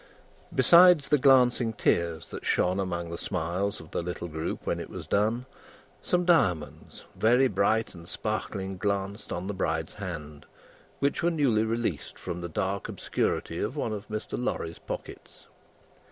Besides the glancing tears that shone among the smiles of the little group when it was done, some diamonds, very bright and sparkling, glanced on the bride's hand, which were newly released from the dark obscurity of one of Mr. Lorry's pockets.